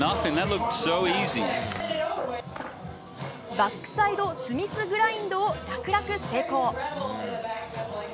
バックサイドスミスグラインドを楽々成功。